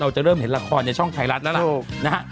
เราจะเริ่มเห็นละครในช่องไทรัตว์แล้วล่ะ